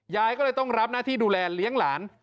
ยายก็เลยต้องรับหน้าที่ดูแลเลี้ยงหลาน